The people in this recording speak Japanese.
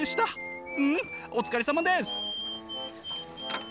うんお疲れさまです！